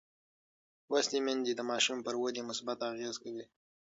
لوستې میندې د ماشوم پر ودې مثبت اغېز کوي.